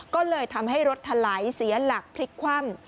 ก็เลยทำให้รถถลายเสียหลักพลิกคว่ำ